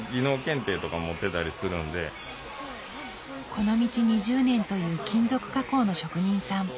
この道２０年という金属加工の職人さん。